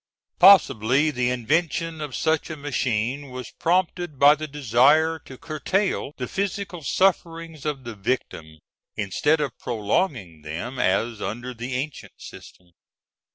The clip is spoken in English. ] Possibly the invention of such a machine was prompted by the desire to curtail the physical sufferings of the victim, instead of prolonging them, as under the ancient system.